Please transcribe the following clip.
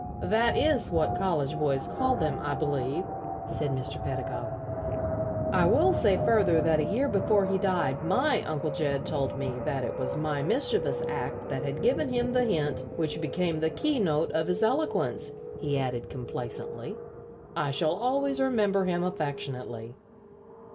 "That is what college boys call them, I believe," said Mr. Pedagog. "I will say further that a year before he died my Uncle Jed told me that it was my mischievous act that had given him the hint which became the keynote of his eloquence," he added, complacently. "I shall always remember him affectionately."